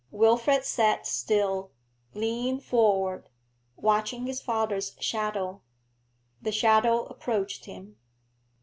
Wilfrid sat still, leaning forward, watching his father's shadow. The shadow approached him.